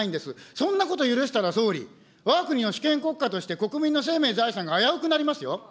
そんなこと許したら、総理、わが国の主権国家として国民の生命、財産が危うくなりますよ。